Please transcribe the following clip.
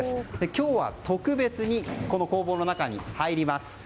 今日は特別に工房の中に入ります。